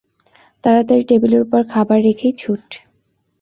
তাড়াতাড়ি টেবিলের উপর খাবার রেখেই ছুট।